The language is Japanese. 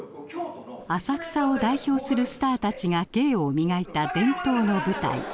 浅草を代表するスターたちが芸を磨いた伝統の舞台。